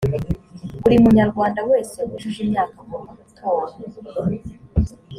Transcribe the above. buri munyarwanda wese wujuje imyaka agomba gutora.